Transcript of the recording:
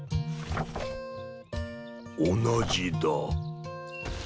おなじだ。